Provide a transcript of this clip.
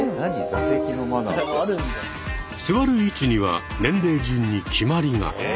座る位置には年齢順に決まりが。